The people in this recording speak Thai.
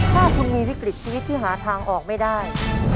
ถ้าคุณมีวิกฤตชีวิตที่หาทางออกไม่ได้